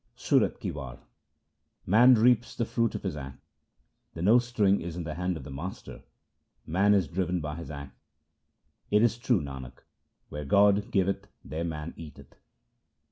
Sorath ki War Man reaps the fruit of his acts :— The nose string is in the hand of the Master ; man is driven by his acts. It is true, Nanak — where God giveth there man eateth.